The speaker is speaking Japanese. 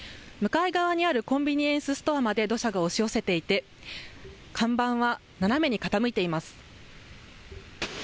コンビニエンスストアまで土砂が押し寄せていて看板は斜めに傾いています。